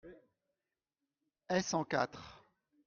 Est-ce en quarte ?